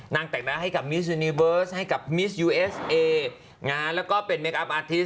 แต่งหน้าให้กับมิสยูนิเวิร์สให้กับมิสยูเอสเอแล้วก็เป็นเมคอัพอาทิตส